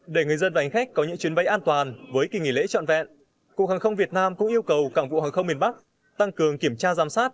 để người dân và hành khách có những chuyến bay an toàn với kỳ nghỉ lễ trọn vẹn cục hàng không việt nam cũng yêu cầu cảng vụ hàng không miền bắc tăng cường kiểm tra giám sát